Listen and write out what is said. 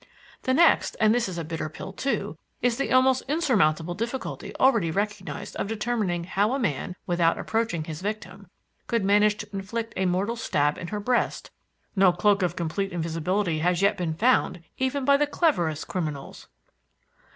"The next, and this is a bitter pill too, is the almost insurmountable difficulty already recognised of determining how a man, without approaching his victim, could manage to inflict a mortal stab in her breast. No cloak of complete invisibility has yet been found, even by the cleverest criminals."